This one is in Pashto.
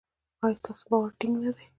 ایا ستاسو باور ټینګ نه دی؟